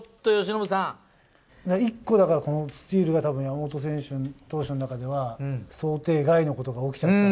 １個、だからこのスチールが山本投手の中では、想定外のことが起きちゃ